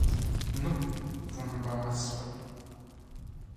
Non, vous m’embarrasseriez…